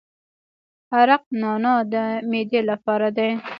عرق نعنا د معدې لپاره دی.